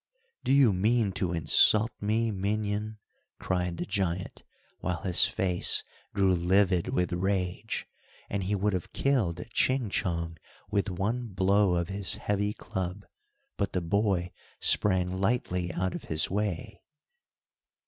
"Do you mean to insult me, minion," cried the giant, while his face grew livid with rage, and he would have killed Ching Chong with one blow of his heavy club, but the boy sprang lightly out of his way.